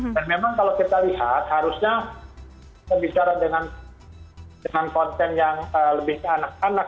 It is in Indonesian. dan memang kalau kita lihat harusnya kita bicara dengan konten yang lebih ke anak anak